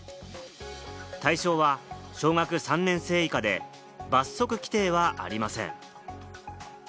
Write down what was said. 対象は小学３年生以下で、罰則規定はありません。